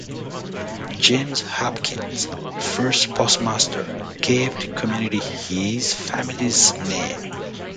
James Hopkins, the first postmaster, gave the community his family's name.